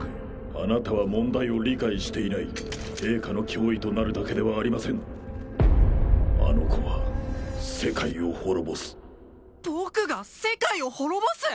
あなたは問題を理解していない陛下の脅威となるだけではありませんあの子は世界を滅ぼす僕が世界を滅ぼす？